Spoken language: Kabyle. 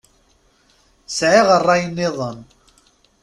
Sɛiɣ rray-nniḍen.